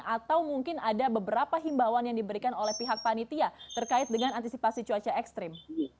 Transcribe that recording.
atau mungkin ada beberapa himbawan yang diberikan oleh pihak panitia terkait dengan antisipasi cuaca ekstrim